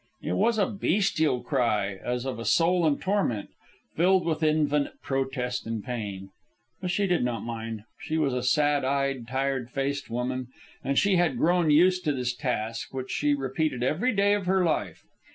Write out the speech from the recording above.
It was a bestial cry, as of a soul in torment, filled with infinite protest and pain. But she did not mind. She was a sad eyed, tired faced woman, and she had grown used to this task, which she repeated every day of her life.